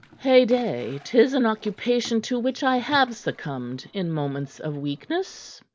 "Heyday! 'Tis an occupation to which I have succumbed in moments of weakness.